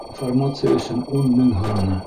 Информация өсөн ун мең һораны.